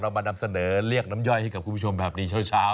มานำเสนอเรียกน้ำย่อยให้กับคุณผู้ชมแบบนี้เช้า